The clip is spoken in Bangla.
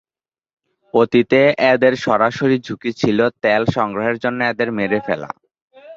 অতীতে, এদের সরাসরি ঝুঁকি ছিল তেল সংগ্রহের জন্য এদের মেরে ফেলা।